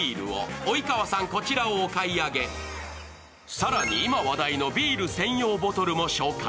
更に、今話題のビール専用ボトルもご紹介。